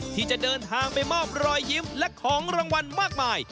ที่จะเดินทางไปมอบรอยยิ้มและของรางวัลมากมาย